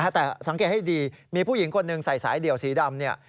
แต่สังเกตให้ดีมีผู้หญิงคนหนึ่งใส่สายเดี่ยวสีดำ